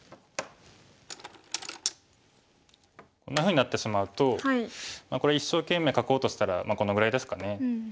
こんなふうになってしまうとこれ一生懸命囲おうとしたらこのぐらいですかね。